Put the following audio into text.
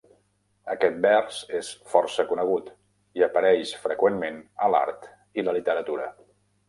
Aquest vers és força conegut, i apareix freqüentment a l'art i la literatura.